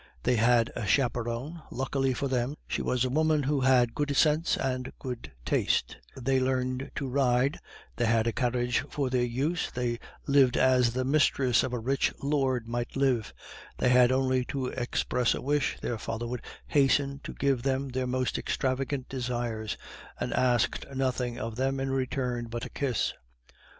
They had a chaperon luckily for them, she was a woman who had good sense and good taste; they learned to ride; they had a carriage for their use; they lived as the mistress of a rich old lord might live; they had only to express a wish, their father would hasten to give them their most extravagant desires, and asked nothing of them in return but a kiss.